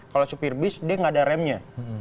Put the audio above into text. kalau supir bis dia nggak ada remnya